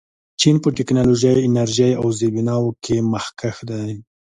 چین په ټیکنالوژۍ، انرژۍ او زیربناوو کې مخکښ دی.